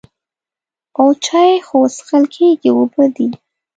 او چای خو څښل کېږي اوبه دي.